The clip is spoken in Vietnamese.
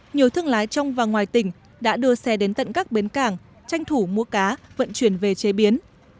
nhiều thương lái trong và ngoài tỉnh đã đưa xe đến tận các bến cảng tranh thủ mua cá vận chuyển về chế biến